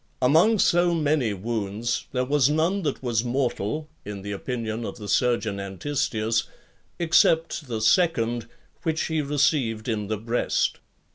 Among so many wounds, there was none that was mortal, in the opinion of the surgeon Antistius, except the second, which he received in the breast.